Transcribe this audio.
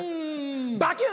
バキュン！